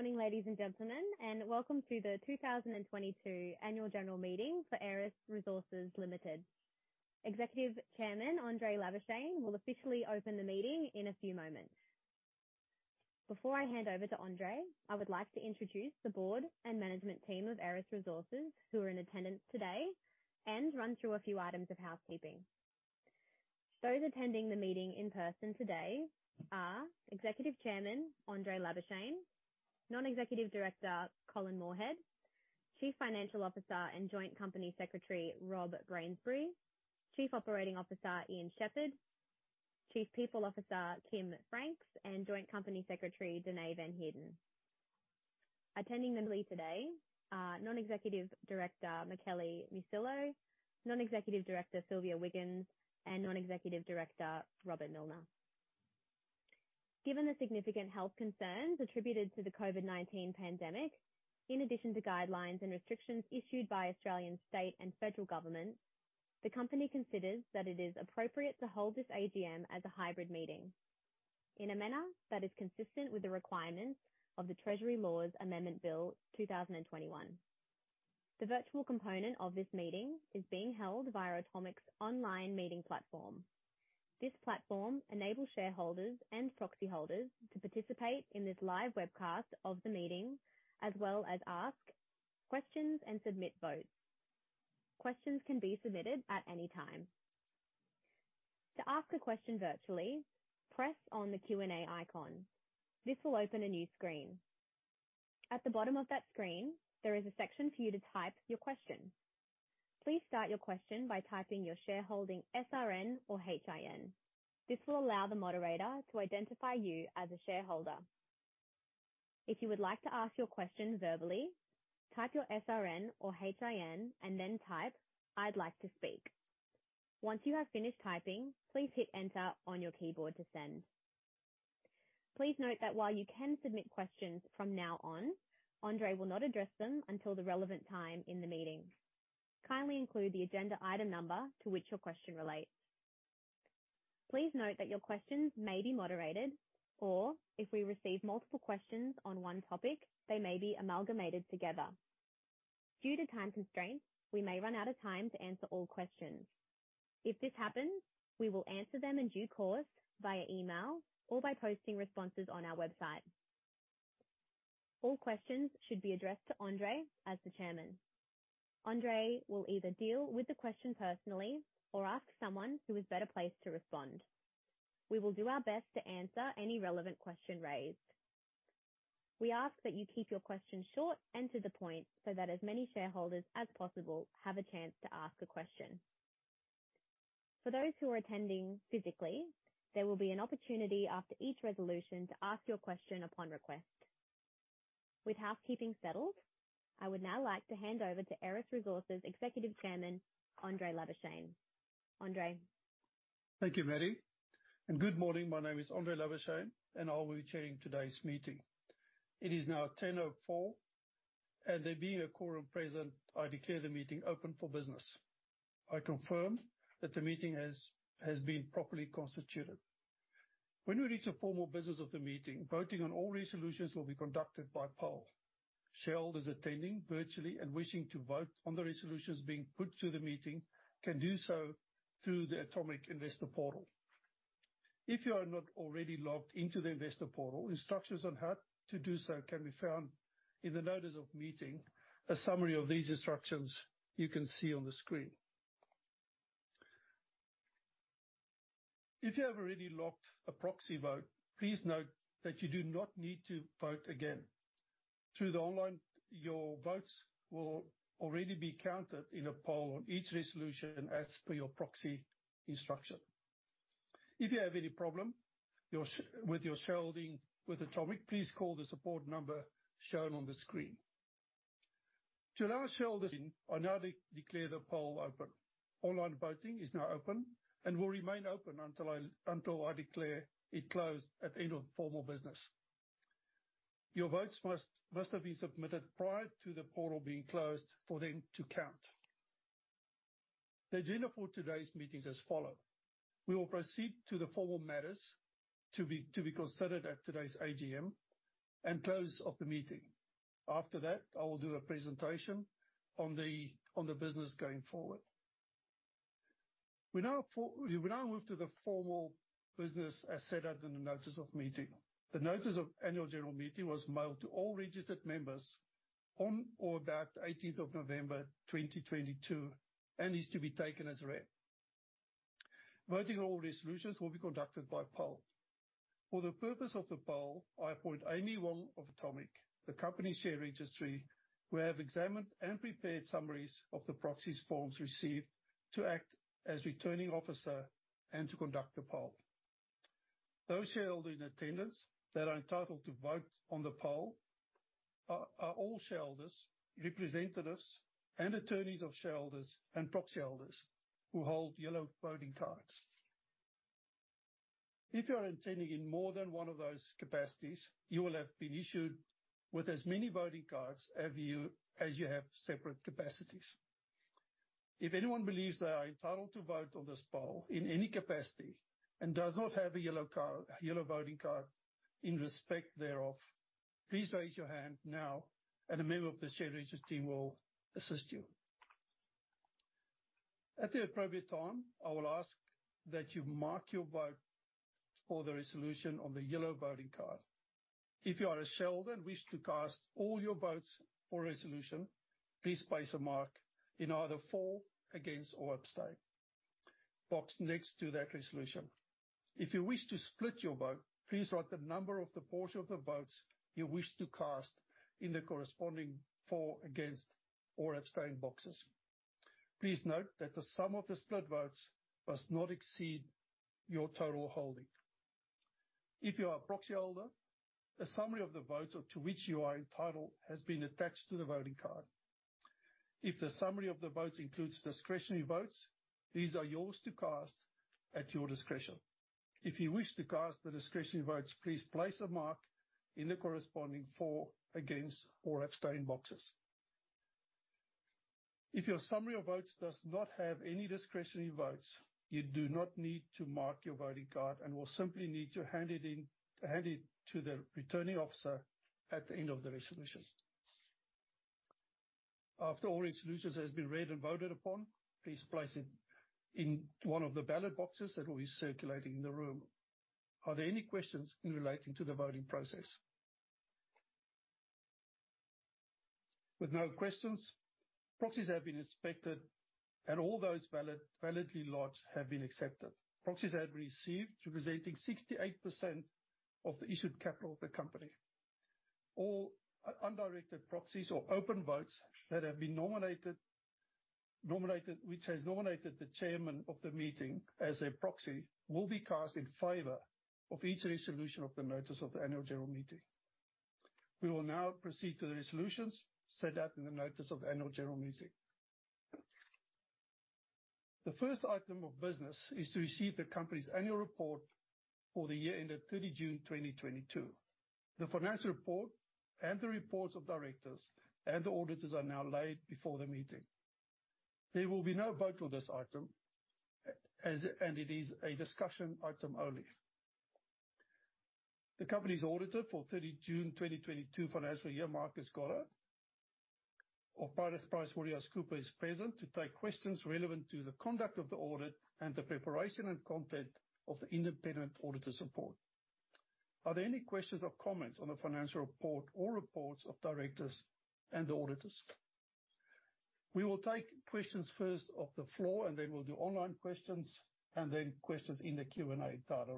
Good morning, ladies and gentlemen, and welcome to the 2022 annual general meeting for Aeris Resources Limited. Executive Chairman André Labuschagne will officially open the meeting in a few moments. Before I hand over to André, I would like to introduce the board and management team of Aeris Resources who are in attendance today and run through a few items of housekeeping. Those attending the meeting in person today are Executive Chairman André Labuschagne, Non-Executive Director Colin Moorhead, Chief Financial Officer and Joint Company Secretary Rob Brainsbury, Chief Operating Officer Ian Sheppard, Chief People Officer Kim Franks, and Joint Company Secretary Dane Van Heerden. Attending remotely today are Non-Executive Director Michele Muscillo, Non-Executive Director Sylvia Wiggins, and Non-Executive Director Robert Millner. Given the significant health concerns attributed to the COVID-19 pandemic, in addition to guidelines and restrictions issued by Australian state and federal governments, the company considers that it is appropriate to hold this AGM as a hybrid meeting in a manner that is consistent with the requirements of the Treasury Laws Amendment Bill 2021. The virtual component of this meeting is being held via Automic's online meeting platform. This platform enables shareholders and proxy holders to participate in this live webcast of the meeting, as well as ask questions and submit votes. Questions can be submitted at any time. To ask a question virtually, press on the Q&A icon. This will open a new screen. At the bottom of that screen, there is a section for you to type your question. Please start your question by typing your shareholding SRN or HIN. This will allow the moderator to identify you as a shareholder. If you would like to ask your question verbally, type your SRN or HIN and then type, "I'd like to speak." Once you have finished typing, please hit Enter on your keyboard to send. Please note that while you can submit questions from now on, André will not address them until the relevant time in the meeting. Kindly include the agenda item number to which your question relates. Please note that your questions may be moderated, or if we receive multiple questions on one topic, they may be amalgamated together. Due to time constraints, we may run out of time to answer all questions. If this happens, we will answer them in due course via email or by posting responses on our website. All questions should be addressed to André as the Chairman. André will either deal with the question personally or ask someone who is better placed to respond. We will do our best to answer any relevant question raised. We ask that you keep your questions short and to the point, so that as many shareholders as possible have a chance to ask a question. For those who are attending physically, there will be an opportunity after each resolution to ask your question upon request. With housekeeping settled, I would now like to hand over to Aeris Resources Executive Chairman, André Labuschagne. André. Thank you, Mary. Good morning. My name is André Labuschagne, and I will be chairing today's meeting. It is now 10:04 A.M., and there being a quorum present, I declare the meeting open for business. I confirm that the meeting has been properly constituted. When we reach the formal business of the meeting, voting on all resolutions will be conducted by poll. Shareholders attending virtually and wishing to vote on the resolutions being put to the meeting can do so through the Automic Investor Portal. If you are not already logged into the Investor Portal, instructions on how to do so can be found in the Notices of Meeting. A summary of these instructions you can see on the screen. If you have already logged a proxy vote, please note that you do not need to vote again. Through the online, your votes will already be counted in a poll on each resolution and as per your proxy instruction. If you have any problem, with your shareholding with Automic, please call the support number shown on the screen. To our shareholders, I now declare the poll open. Online voting is now open and will remain open until I declare it closed at the end of formal business. Your votes must have been submitted prior to the poll being closed for them to count. The agenda for today's meeting is as follows. We will proceed to the formal matters to be considered at today's AGM and close of the meeting. After that, I will do a presentation on the business going forward. We now move to the formal business as set out in the Notices of Meeting. The Notices of Annual General Meeting was mailed to all registered members on or about November 18th, 2022, and is to be taken as read. Voting on all resolutions will be conducted by poll. For the purpose of the poll, I appoint Amy Wong of Automic, the company share registry, who have examined and prepared summaries of the proxies forms received to act as returning officer and to conduct the poll. Those shareholders in attendance that are entitled to vote on the poll are all shareholders, representatives and attorneys of shareholders and proxy holders who hold yellow voting cards. If you are attending in more than one of those capacities, you will have been issued with as many voting cards as you have separate capacities. If anyone believes they are entitled to vote on this poll in any capacity and does not have a yellow card, a yellow voting card in respect thereof, please raise your hand now and a member of the share registry team will assist you. At the appropriate time, I will ask that you mark your vote for the resolution on the yellow voting card. If you are a shareholder and wish to cast all your votes for a resolution, please place a mark in either for, against, or abstain box next to that resolution. If you wish to split your vote, please write the number of the portion of the votes you wish to cast in the corresponding for, against, or abstain boxes. Please note that the sum of the split votes must not exceed your total holding. If you are a proxy holder, a summary of the votes to which you are entitled has been attached to the voting card. If the summary of the votes includes discretionary votes, these are yours to cast at your discretion. If you wish to cast the discretionary votes, please place a mark in the corresponding for, against, or abstain boxes. If your summary of votes does not have any discretionary votes, you do not need to mark your voting card and will simply need to hand it to the returning officer at the end of the resolution. After all resolutions has been read and voted upon, please place it in one of the ballot boxes that will be circulating in the room. Are there any questions in relating to the voting process? With no questions, proxies have been inspected and all those validly lodged have been accepted. Proxies I have received representing 68% of the issued capital of the company or undirected proxies or open votes that have been nominated, which has nominated the chairman of the meeting as a proxy, will be cast in favor of each resolution of the notice of the annual general meeting. We will now proceed to the resolutions set out in the notice of annual general meeting. The first item of business is to receive the company's annual report for the year ended June 30, 2022. The financial report and the reports of directors and the auditors are now laid before the meeting. There will be no vote on this item as it is a discussion item only. The company's auditor for June 30, 2022, financial year, Marcus Goddard of PricewaterhouseCoopers is present to take questions relevant to the conduct of the audit and the preparation and content of the independent auditor's report. Are there any questions or comments on the financial report or reports of directors and the auditors? We will take questions first off the floor, and then we'll do online questions, and then questions in the Q&A thereafter.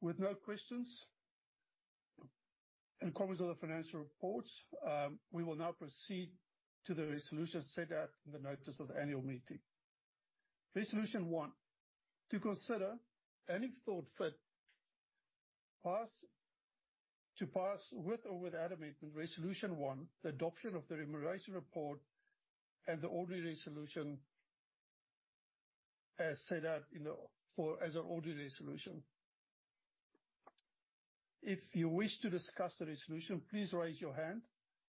With no questions and comments on the financial reports, we will now proceed to the resolution set out in the notice of the annual meeting. Resolution one, to consider and if thought fit pass, to pass with or without amendment Resolution 1, the adoption of the remuneration report and the ordinary resolution as set out in the, for as an ordinary resolution. If you wish to discuss the resolution, please raise your hand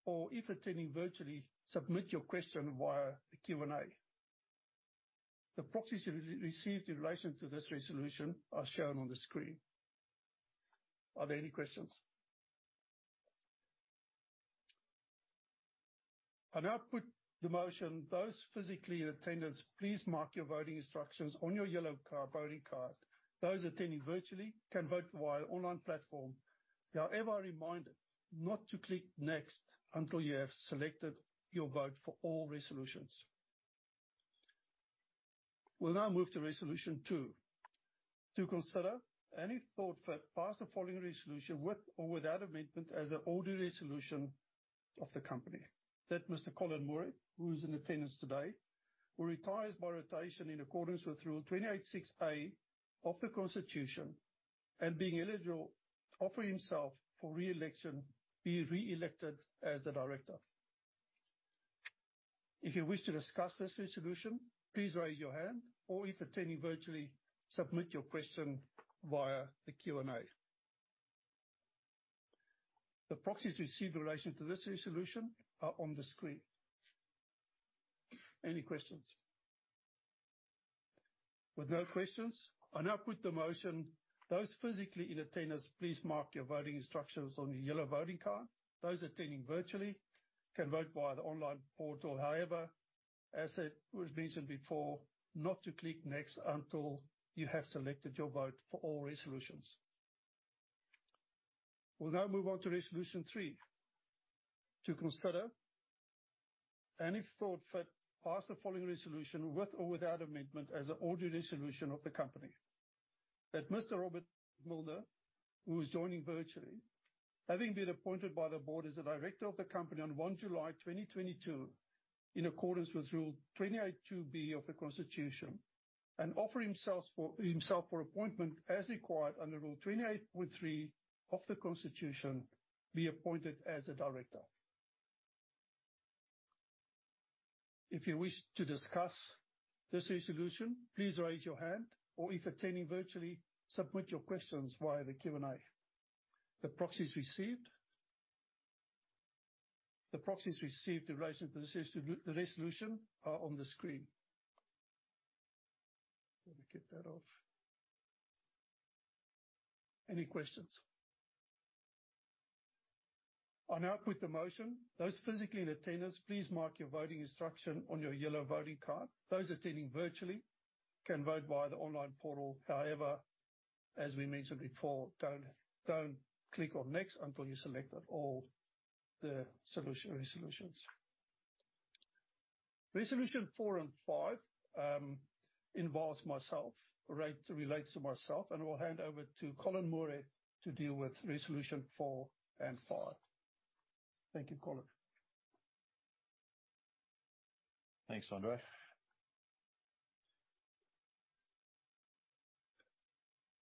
or if attending virtually, submit your question via the Q&A. The proxies re-received in relation to this resolution are shown on the screen. Are there any questions? I now put the motion. Those physically in attendance, please mark your voting instructions on your yellow card, voting card. Those attending virtually can vote via online platform. You are ever reminded not to click next until you have selected your vote for all resolutions. We'll now move to resolution two. To consider and if thought fit, pass the following resolution with or without amendment as an ordinary resolution of the company. That Mr. Colin Moorhead, who is in attendance today, who retires by rotation in accordance with rule 28.6A of the Constitution and being eligible to offer himself for re-election, be re-elected as a director. If you wish to discuss this resolution, please raise your hand or if attending virtually, submit your question via the Q&A. The proxies received in relation to this resolution are on the screen. Any questions? With no questions, I now put the motion. Those physically in attendance, please mark your voting instructions on the yellow voting card. Those attending virtually can vote via the online portal. However, as it was mentioned before, not to click next until you have selected your vote for all resolutions. We'll now move on to resolution three. To consider and if thought fit, pass the following resolution with or without amendment as an ordinary resolution of the company. That Mr. Robert Millner, who is joining virtually, having been appointed by the board as a director of the company on July 1, 2022, in accordance with rule 28.2B Of the Constitution, and offer himself for appointment as required under rule 28.3 of the Constitution, be appointed as a director. If you wish to discuss this resolution, please raise your hand or if attending virtually submit your questions via the Q&A. The proxies received in relation to the resolution are on the screen. Let me get that off. Any questions? I now put the motion. Those physically in attendance, please mark your voting instruction on your yellow voting card. Those attending virtually can vote via the online portal. However, as we mentioned before, don't click on next until you've selected all the resolutions. Resolution four and five involves myself, relates to myself. I'll hand over to Colin Moorhead to deal with resolution four and five. Thank you, Colin. Thanks, André.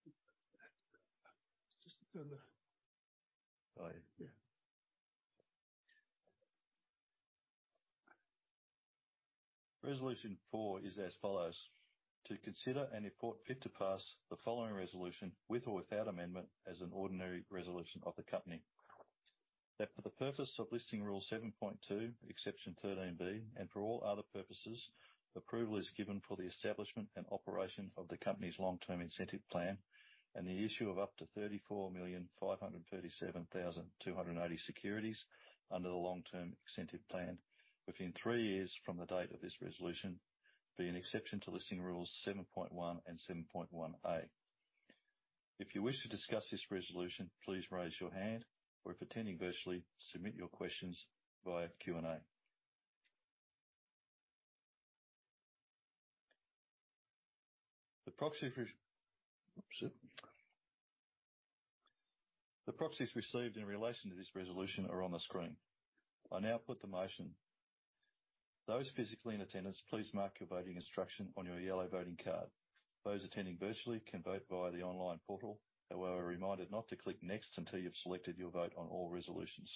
It's just down there. Yeah. Resolution four is as follows: To consider and, if ought fit to pass, the following resolution, with or without amendment, as an ordinary resolution of the company. That for the purpose of Listing Rule 7.2, Section 13B, and for all other purposes, approval is given for the establishment and operation of the company's Long-Term Incentive Plan and the issue of up to 34,537,280 securities under the Long-Term Incentive Plan within three years from the date of this resolution be an exception to Listing Rules 7.1 and 7.1A. If you wish to discuss this resolution, please raise your hand, or if attending virtually, submit your questions via Q&A. The proxies received in relation to this resolution are on the screen. I now put the motion. Those physically in attendance, please mark your voting instruction on your yellow voting card. Those attending virtually can vote via the online portal. Are reminded not to click next until you've selected your vote on all resolutions.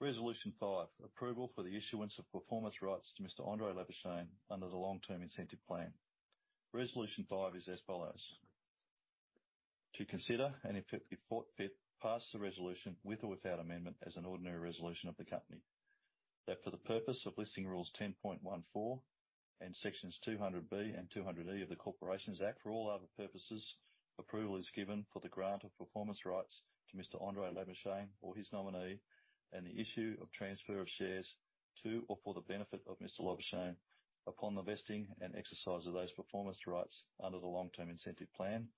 Resolution five: Approval for the issuance of performance rights to Mr. André Labuschagne under the Long-Term Incentive Plan. Resolution five is as follows: To consider, and if thought fit, pass the resolution, with or without amendment, as an ordinary resolution of the company. For the purpose of Listing Rule 10.14 and sections 200B and 200E of the Corporations Act, for all other purposes, approval is given for the grant of performance rights to Mr. André Labuschagne or his nominee and the issue of transfer of shares to or for the benefit of Mr. Labuschagne upon the vesting and exercise of those performance rights under the Long-Term Incentive Plan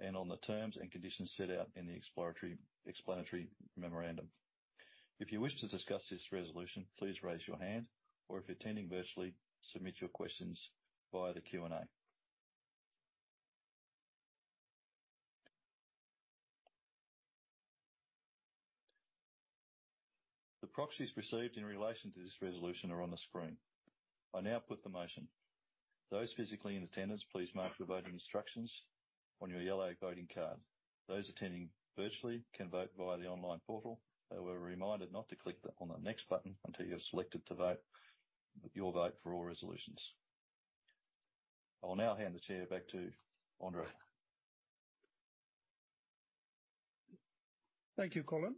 and on the terms and conditions set out in the explanatory memorandum. If you wish to discuss this resolution, please raise your hand, or if you're attending virtually, submit your questions via the Q&A. The proxies received in relation to this resolution are on the screen. I now put the motion. Those physically in attendance, please mark the voting instructions on your yellow voting card. Those attending virtually can vote via the online portal. However, are reminded not to click on the Next button until you have selected to vote, your vote for all resolutions. I will now hand the chair back to André. Thank you, Colin.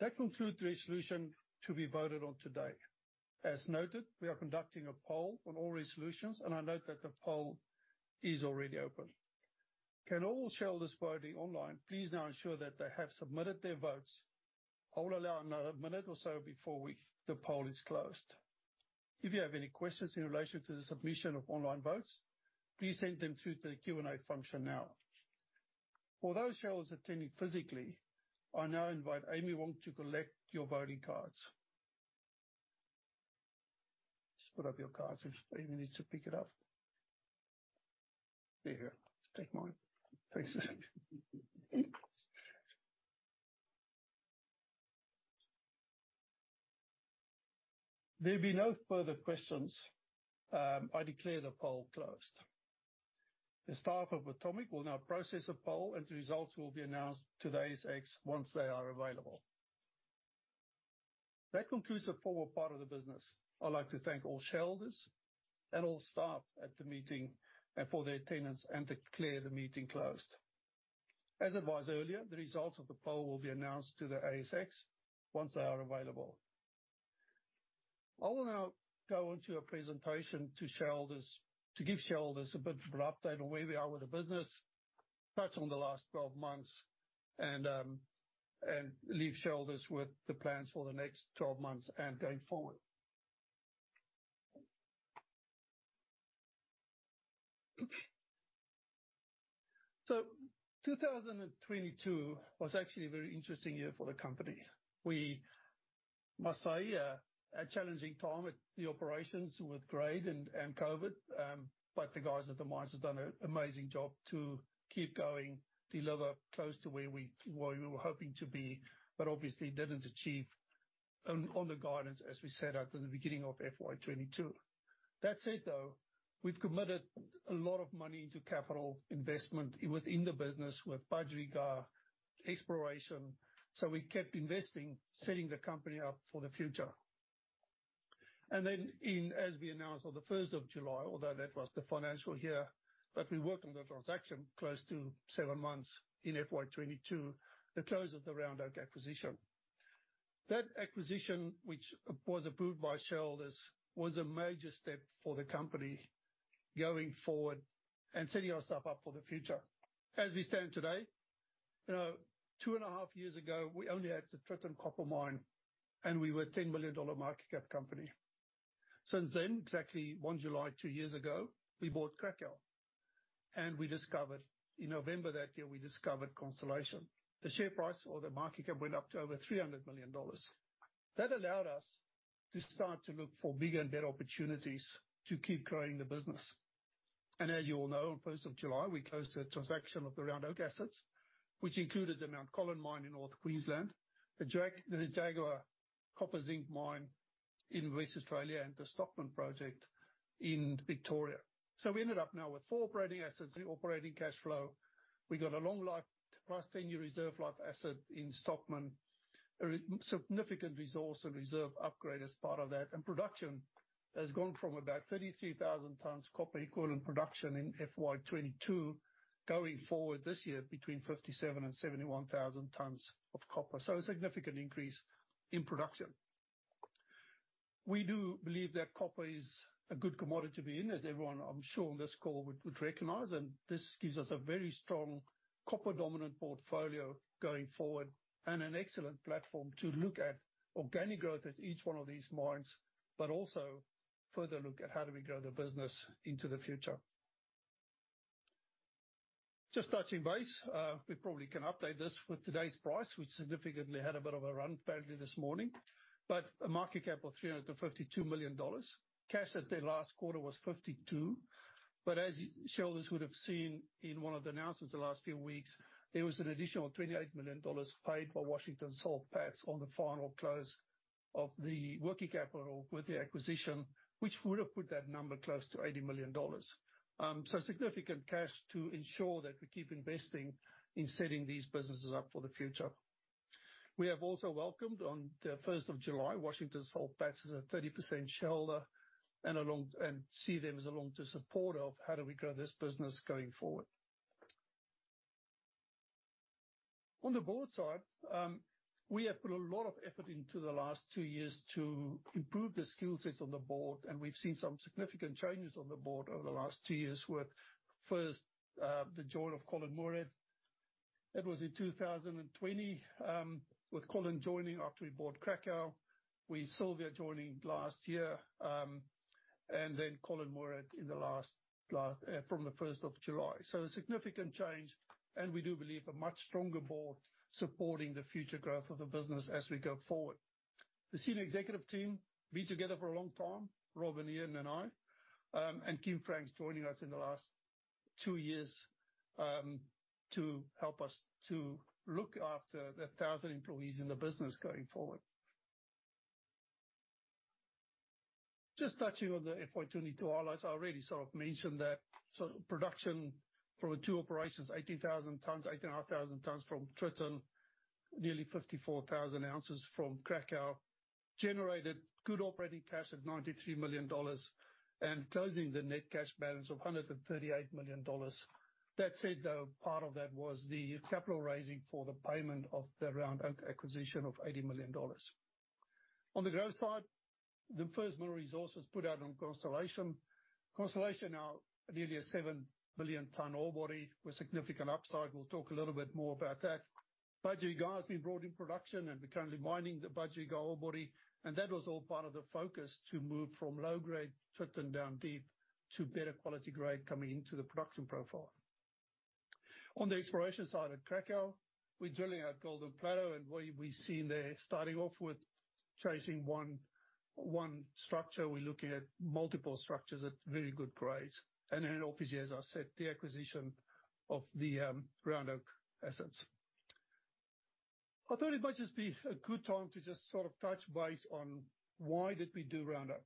That concludes the resolution to be voted on today. As noted, we are conducting a poll on all resolutions, and I note that the poll is already open. Can all shareholders voting online please now ensure that they have submitted their votes. I will allow another minute or so before the poll is closed. If you have any questions in relation to the submission of online votes, please send them through to the Q&A function now. For those shareholders attending physically, I now invite Amy Wong to collect your voting cards. Just put up your cards if Amy needs to pick it up. There you go. Take mine. Thanks. There being no further questions, I declare the poll closed. The staff of Automic will now process the poll and the results will be announced to the ASX once they are available. That concludes the forward part of the business. I'd like to thank all shareholders and all staff at the meeting for their attendance and declare the meeting closed. As advised earlier, the results of the poll will be announced to the ASX once they are available. I will now go onto a presentation to shareholders to give shareholders a bit of an update on where we are with the business, touch on the last 12 months and leave shareholders with the plans for the next 12 months and going forward. 2022 was actually a very interesting year for the company. We must say, a challenging time with the operations with grade and COVID-19, but the guys at the mines have done an amazing job to keep going, deliver close to where we were hoping to be, but obviously didn't achieve on the guidance as we set out at the beginning of FY 2022. That said, though, we've committed a lot of money into capital investment within the business with Budgerygar exploration. We kept investing, setting the company up for the future. As we announced on the July 1st, although that was the financial year, but we worked on the transaction close to seven months in FY 2022, the close of the Round Oak acquisition. That acquisition, which was approved by shareholders, was a major step for the company going forward and setting ourselves up for the future. As we stand today, you know, two and a half years ago, we only had the Tritton Copper Mine, and we were a 10 million dollar market cap company. Since then, exactly July 1, two years ago, we bought Cracow, and we discovered. In November that year, we discovered Constellation. The share price or the market cap went up to over 300 million dollars. That allowed us to start to look for bigger and better opportunities to keep growing the business. As you all know, on the July 1st, we closed the transaction of the Round Oak assets, which included the Mt Colin Mine in North Queensland, the Jaguar copper zinc mine in West Australia, and the Stockman Project in Victoria. We ended up now with four operating assets, the operating cash flow. We got a long life, +10-year reserve life asset in Stockman, a significant resource and reserve upgrade as part of that. Production has gone from about 33,000 tons copper equivalent production in FY 2022 going forward this year between 57,000 and 71,000 tons of copper. A significant increase in production. We do believe that copper is a good commodity to be in, as everyone, I'm sure on this call would recognize. This gives us a very strong copper-dominant portfolio going forward and an excellent platform to look at organic growth at each one of these mines, but also further look at how do we grow the business into the future. Just touching base, we probably can update this with today's price. We significantly had a bit of a run fairly this morning. A market cap of 352 million dollars. Cash at the last quarter was 52 million. As shareholders would have seen in one of the announcements the last few weeks, there was an additional 28 million dollars paid by Washington H. Soul Pattinson on the final close of the working capital with the acquisition, which would have put that number close to 80 million dollars. Significant cash to ensure that we keep investing in setting these businesses up for the future. We have also welcomed on the July 1st, Washington H. Soul Pattinson as a 30% shareholder, and see them as a long-term supporter of how do we grow this business going forward. On the board side, we have put a lot of effort into the last two years to improve the skill sets on the board, we've seen some significant changes on the board over the last two years with first, the join of Colin Moorhead. That was in 2020, with Colin joining after we bought Cracow. With Sylvia joining last year, Colin Moorhead from the July 1st. A significant change, we do believe a much stronger board supporting the future growth of the business as we go forward. The senior executive team, been together for a long time, Rob and Ian and I, Kim Franks joining us in the last two years, to help us to look after the 1,000 employees in the business going forward. Just touching on the FY 2022 highlights. I already sort of mentioned that. Production from the two operations, 18,000 tons, 18,500 tons from Tritton, nearly 54,000 ounces from Cracow, generated good operating cash at 93 million dollars and closing the net cash balance of 138 million dollars. That said, though, part of that was the capital raising for the payment of the Round Oak acquisition of 80 million dollars. On the growth side, the first mineral resource was put out on Constellation. Constellation now nearly a 7 million ton ore body with significant upside. We'll talk a little bit more about that. Budgerygar has been brought in production and we're currently mining the Budgerygar ore body, and that was all part of the focus to move from low grade Tritton down deep to better quality grade coming into the production profile. On the exploration side at Cracow, we're drilling at Golden Plateau, what we see in there, starting off with tracing one structure, we're looking at multiple structures at very good grades. Then obviously, as I said, the acquisition of the Round Oak assets. I thought it might just be a good time to just sort of touch base on why did we do Round Oak.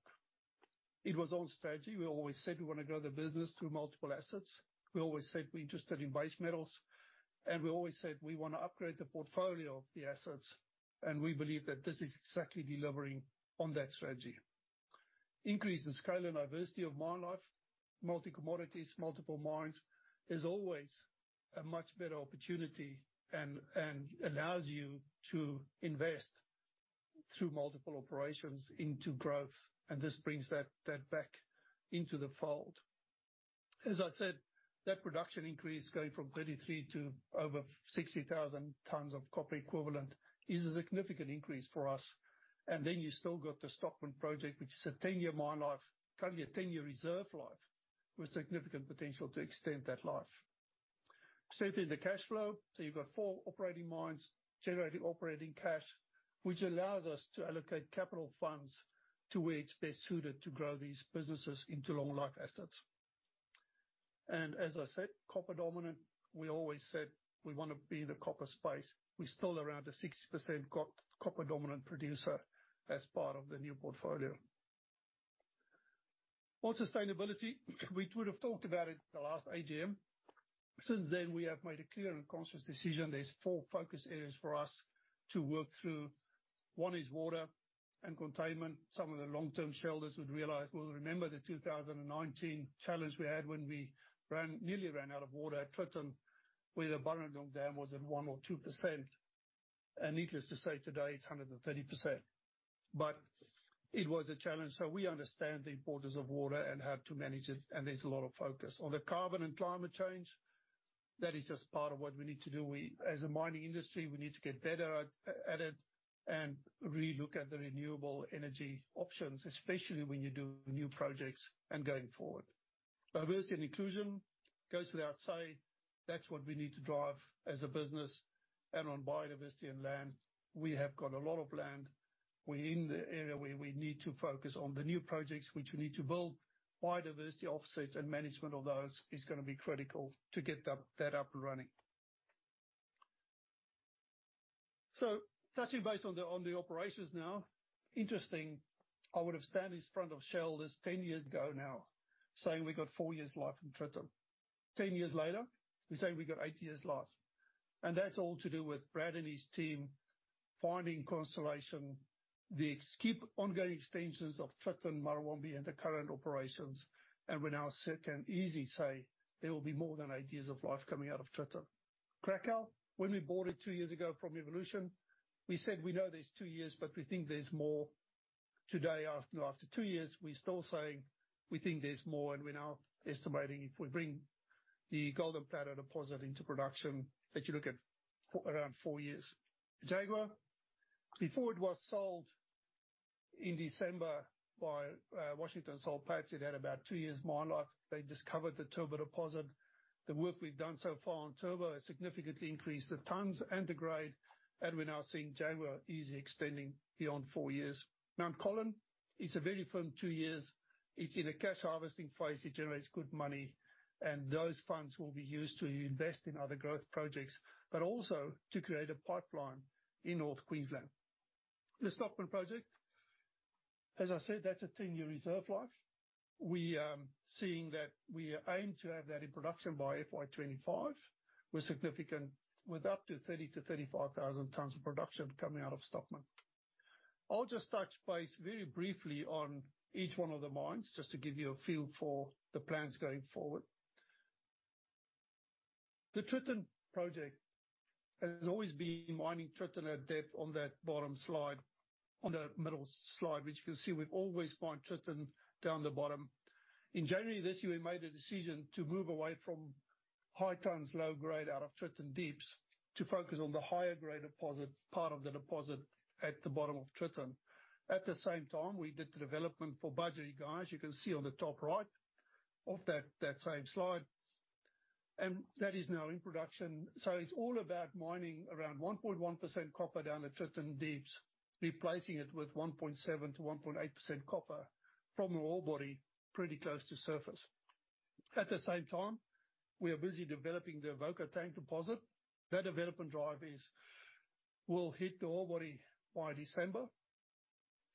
It was on strategy. We always said we wanna grow the business through multiple assets. We always said we're interested in base metals, and we always said we wanna upgrade the portfolio of the assets, and we believe that this is exactly delivering on that strategy. Increase in scale and diversity of mine life, multi-commodities, multiple mines is always a much better opportunity and allows you to invest through multiple operations into growth, and this brings that back into the fold. As I said, that production increase going from 33 tons to over 60,000 tons of copper equivalent is a significant increase for us. Then you've still got the Stockman project, which is a 10-year mine life, currently a 10-year reserve life, with significant potential to extend that life. Certainly, the cash flow, you've got four operating mines generating operating cash, which allows us to allocate capital funds to where it's best suited to grow these businesses into long life assets. As I said, copper dominant, we always said we wanna be in the copper space. We're still around a 60% copper dominant producer as part of the new portfolio. On sustainability, we could have talked about it the last AGM. Since then, we have made a clear and conscious decision. There's four focus areas for us to work through. One is water and containment. Some of the long-term shareholders will remember the 2019 challenge we had when we nearly ran out of water at Tritton, where the Burrendong Dam was at 1% or 2%. Needless to say, today it's 130%. It was a challenge. We understand the importance of water and how to manage it, and there's a lot of focus. On the carbon and climate change, that is just part of what we need to do. We, as a mining industry, we need to get better at it and really look at the renewable energy options, especially when you do new projects and going forward. Diversity and inclusion goes without saying. That's what we need to drive as a business. On biodiversity and land, we have got a lot of land. We're in the area where we need to focus on the new projects which we need to build. Biodiversity offsets and management of those is gonna be critical to get that up and running. Touching base on the operations now. Interesting, I would have stand in front of shareholders 10 years ago now saying we got four years life in Tritton. 10 years later, we say we got eight years life. That's all to do with Brad and his team finding Constellation. They keep ongoing extensions of Tritton, Murrawombie and the current operations, and we now sit and easily say there will be more than eight years of life coming out of Tritton. Cracow, when we bought it two years ago from Evolution, we said we know there's two years, but we think there's more. Today, after two years, we're still saying we think there's more, and we're now estimating if we bring the Golden Plateau deposit into production, that you look at around four years. Jaguar, before it was sold in December by Washington H. Soul Pattinson, it had about two years mine life. They discovered the Turbo deposit. The work we've done so far on Turbo has significantly increased the tons and the grade, and we're now seeing Jaguar easily extending beyond four years. Mt Colin is a very firm two years. It's in a cash harvesting phase. It generates good money. Those funds will be used to invest in other growth projects, also to create a pipeline in North Queensland. The Stockman Project, as I said, that's a 10-year reserve life. We are seeing that we aim to have that in production by FY 2025, with up to 30,000-35,000 tons of production coming out of Stockman. I'll just touch base very briefly on each one of the mines, just to give you a feel for the plans going forward. The Tritton project has always been mining Tritton at depth on that bottom slide, on the middle slide, which you can see we've always mined Tritton down the bottom. In January this year, we made a decision to move away from high tons, low grade out of Tritton Deeps to focus on the higher-grade deposit, part of the deposit at the bottom of Tritton. At the same time, we did the development for Budgerygar. You can see on the top right of that same slide. That is now in production. It's all about mining around 1.1% copper down at Tritton Deeps, replacing it with 1.7%-1.8% copper from an ore body pretty close to surface. At the same time, we are busy developing the Avoca Tank deposit. That development drive will hit the ore body by December,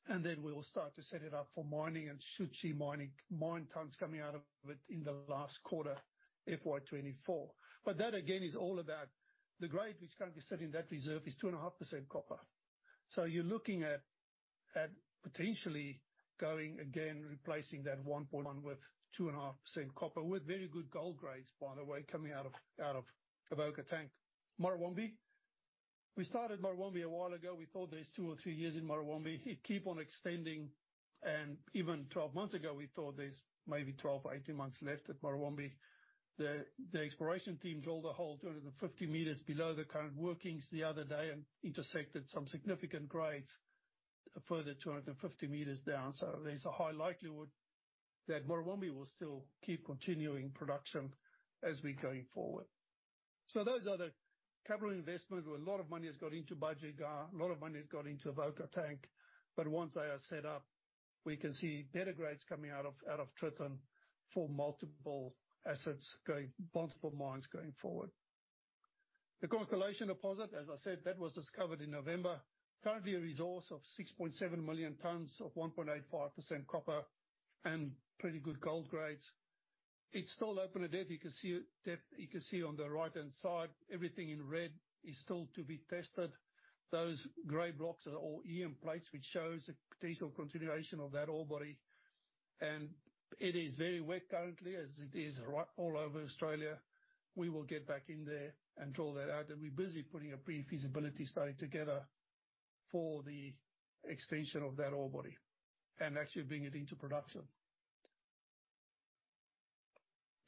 and then we will start to set it up for mining and should see mine tons coming out of it in the last quarter FY 2024. That again is all about the grade which currently sit in that reserve is 2.5% copper. You're looking at potentially going again, replacing that 1.1% with 2.5% copper with very good gold grades, by the way, coming out of Avoca Tank. Murrawombie. We started Murrawombie a while ago. We thought there's two or three years in Murrawombie. It keep on extending, and even 12 months ago, we thought there's maybe 12 or 18 months left at Murrawombie. The exploration team drilled a hole 250 m below the current workings the other day and intersected some significant grades a further 250 m down. There's a high likelihood that Murrawombie will still keep continuing production as we going forward. Those are the capital investment, where a lot of money has gone into Budgerygar, a lot of money has gone into Avoca Tank, but once they are set up, we can see better grades coming out of Tritton for multiple assets going, multiple mines going forward. The Constellation deposit, as I said, that was discovered in November. Currently, a resource of 6.7 million tons of 1.85% copper and pretty good gold grades. It's still open at depth. You can see it, depth, you can see on the right-hand side, everything in red is still to be tested. Those gray blocks are all EM plates, which shows the potential continuation of that ore body. It is very wet currently, as it is right all over Australia. We will get back in there and draw that out. We're busy putting a Pre-Feasibility Study together for the extension of that ore body and actually bring it into production.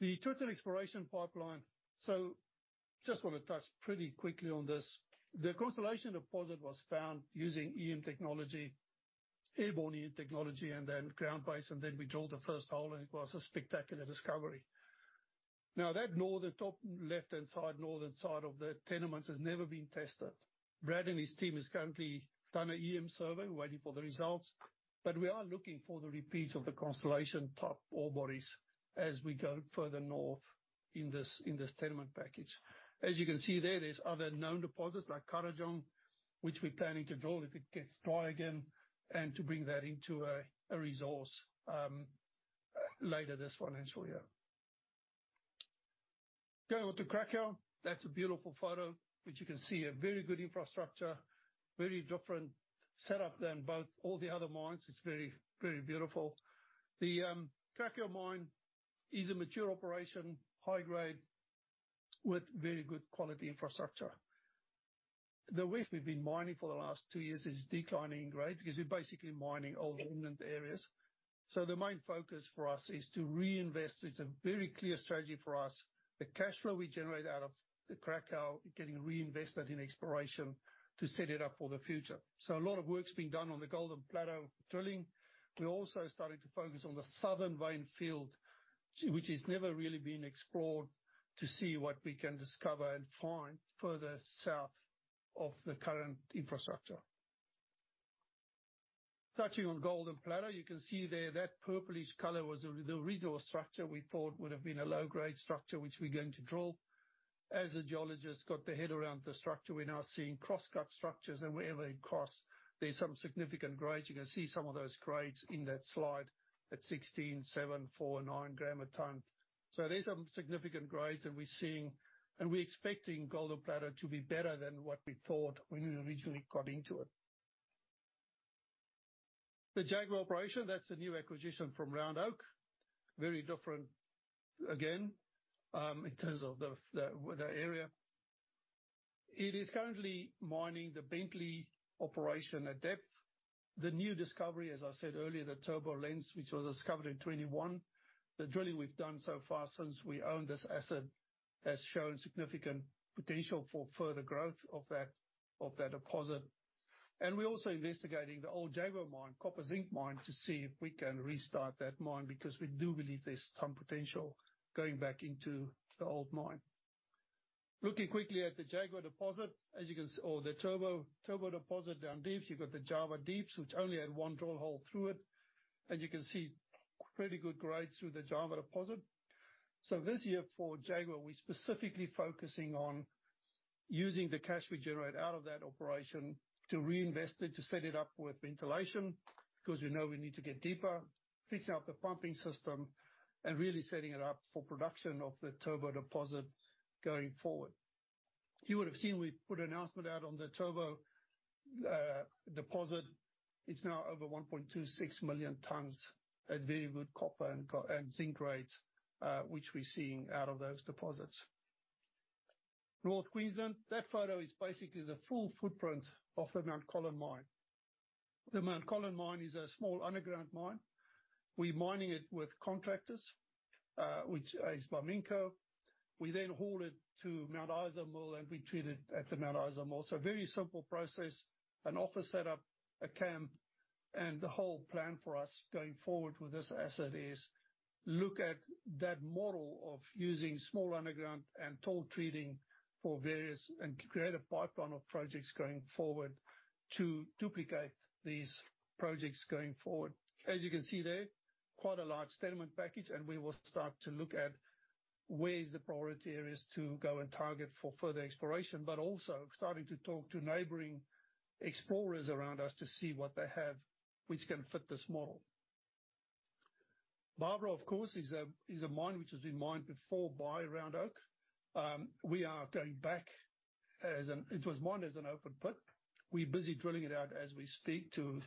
The total exploration pipeline. Just wanna touch pretty quickly on this. The Constellation deposit was found using EM technology, airborne EM technology, and then ground-based, and then we drilled the first hole, and it was a spectacular discovery. Now that northern top left-hand side, northern side of the tenements has never been tested. Brad and his team has currently done a EM survey. We're waiting for the results. We are looking for the repeats of the Constellation top ore bodies as we go further north. In this tenement package. As you can see there's other known deposits like Kurrajong, which we're planning to drill if it gets dry again, and to bring that into a resource later this financial year. Go to Cracow. That's a beautiful photo, which you can see a very good infrastructure, very different setup than both all the other mines. It's very, very beautiful. The Cracow mine is a mature operation, high grade, with very good quality infrastructure. The way we've been mining for the last two years is declining grade because you're basically mining all the inland areas. The main focus for us is to reinvest. It's a very clear strategy for us. The cash flow we generate out of the Cracow getting reinvested in exploration to set it up for the future. A lot of work's being done on the Golden Plateau drilling. We're also starting to focus on the southern mine field, which has never really been explored, to see what we can discover and find further south of the current infrastructure. Touching on Golden Plateau, you can see there that purplish color was the resource structure we thought would have been a low-grade structure, which we're going to drill. As the geologists got their head around the structure, we're now seeing crosscut structures and wherever they cross, there's some significant grades. You can see some of those grades in that slide at 16 g, 7 g, 4g, 9 g a ton. These are significant grades that we're seeing, and we're expecting Golden Plateau to be better than what we thought when we originally got into it. The Jaguar operation, that's a new acquisition from Round Oak. Very different, again, in terms of the area. It is currently mining the Bentley operation at depth. The new discovery, as I said earlier, the Turbo lens, which was discovered in 2021. The drilling we've done so far since we owned this asset has shown significant potential for further growth of that, of that deposit. We're also investigating the old Jaguar mine, copper zinc mine, to see if we can restart that mine because we do believe there's some potential going back into the old mine. Looking quickly at the Jaguar deposit, as you can or the Turbo deposit down deep, you've got the Jaguar deeps, which only had one drill hole through it, and you can see pretty good grades through the Jaguar deposit. This year for Jaguar, we're specifically focusing on using the cash we generate out of that operation to reinvest it, to set it up with ventilation, because you know we need to get deeper, fix up the pumping system and really setting it up for production of the Turbo deposit going forward. You would have seen we put an announcement out on the Turbo deposit. It's now over 1.26 million tons at very good copper and zinc grades, which we're seeing out of those deposits. North Queensland, that photo is basically the full footprint of the Mt Colin mine. The Mt Colin mine is a small underground mine. We're mining it with contractors, which is Barminco. We then haul it to Mount Isa mill, and we treat it at the Mount Isa mill. Very simple process. An office set up a camp, and the whole plan for us going forward with this asset is look at that model of using small underground and toll treating for various and create a pipeline of projects going forward to duplicate these projects going forward. As you can see there, quite a large tenement package. We will start to look at where is the priority areas to go and target for further exploration. Also starting to talk to neighboring explorers around us to see what they have which can fit this model. Barbara, of course, is a mine which has been mined before by Round Oak. We are going back. It was mined as an open pit. We're busy drilling it out as we speak to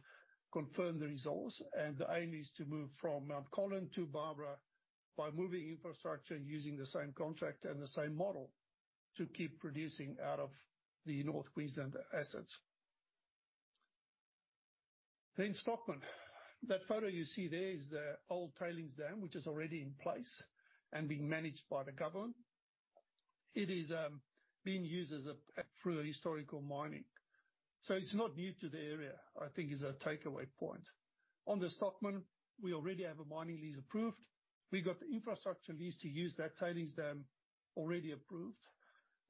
confirm the resource, and the aim is to move from Mt Colin to Barbara by moving infrastructure using the same contract and the same model to keep producing out of the North Queensland assets. Stockman. That photo you see there is the old tailings dam, which is already in place and being managed by the government. It is being used through historical mining. It's not new to the area, I think is a takeaway point. On the Stockman, we already have a mining lease approved. We've got the infrastructure lease to use that tailings dam already approved.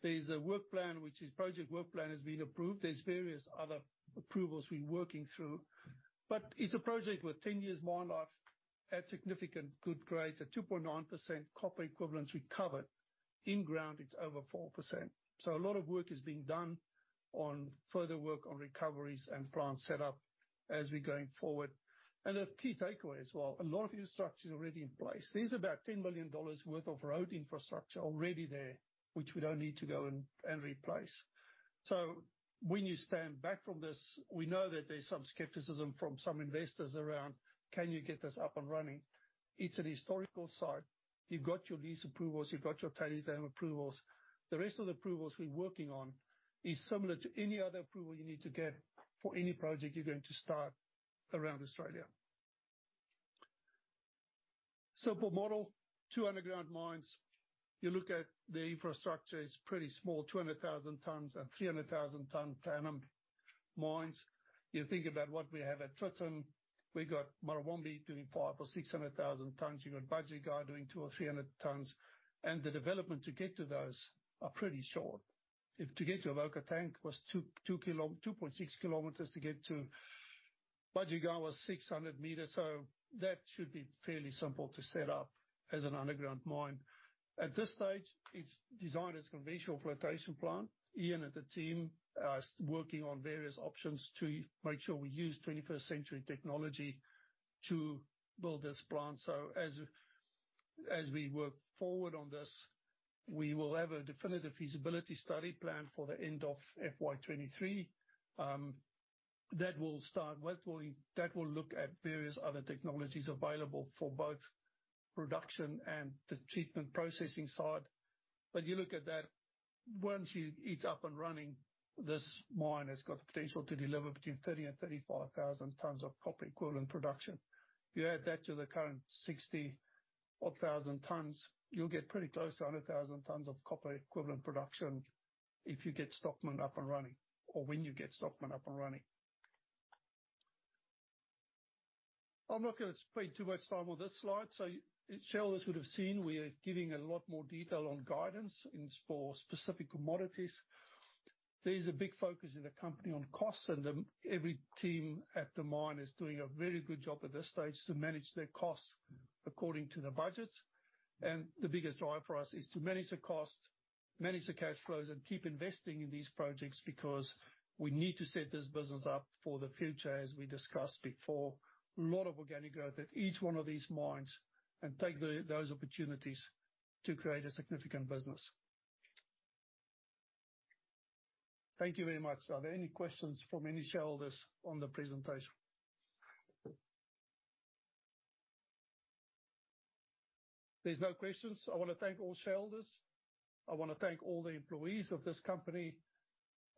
There's a work plan, which is project work plan has been approved. There's various other approvals we're working through. It's a project with 10 years mine life at significant good grades at 2.9% copper equivalents recovered. In ground, it's over 4%. A lot of work is being done on further work on recoveries and plant setup as we're going forward. A key takeaway as well, a lot of infrastructure is already in place. There's about 10 billion dollars worth of road infrastructure already there, which we don't need to go and replace. When you stand back from this, we know that there's some skepticism from some investors around, "Can you get this up and running?" It's a historical site. You've got your lease approvals. You've got your tailings dam approvals. The rest of the approvals we're working on is similar to any other approval you need to get for any project you're going to start around Australia. Simple model, two underground mines. You look at the infrastructure, it's pretty small, 200,000 tons and 300,000 tons per annum mines. You think about what we have at Tritton. We've got Murrawombi doing 500,000-600,000 tons. You've got Budgerygar doing 200-300 tons. The development to get to those are pretty short. If to get to Avoca Tank was 2.6 km to get to Budgerygar was 600 m, that should be fairly simple to set up as an underground mine. At this stage, it's designed as conventional flotation plant. Ian and the team are working on various options to make sure we use twenty-first century technology to build this plant. As we work forward on this, we will have a Definitive Feasibility Study plan for the end of FY 2023. That will look at various other technologies available for both production and the treatment processing side. You look at that, once it's up and running, this mine has got the potential to deliver between 30,000 tons and 35,000 tons of copper equivalent production. You add that to the current 60 odd thousand tons, you'll get pretty close to 100,000 tons of copper equivalent production if you get Stockman up and running, or when you get Stockman up and running. I'm not gonna spend too much time on this slide. Shareholders would have seen we are giving a lot more detail on guidance for specific commodities. There's a big focus in the company on costs, and every team at the mine is doing a very good job at this stage to manage their costs according to the budgets. The biggest driver for us is to manage the cost, manage the cash flows, and keep investing in these projects because we need to set this business up for the future as we discussed before. A lot of organic growth at each one of these mines, and take those opportunities to create a significant business. Thank you very much. Are there any questions from any shareholders on the presentation? There's no questions. I wanna thank all shareholders. I wanna thank all the employees of this company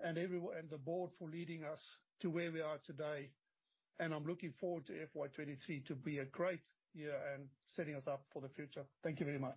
and the board for leading us to where we are today. I'm looking forward to FY 2023 to be a great year and setting us up for the future. Thank you very much.